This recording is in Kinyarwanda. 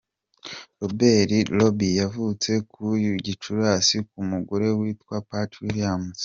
Robert Robbie yavutse ku ya Gicurasi , ku mugore witwa Pat Williams ;.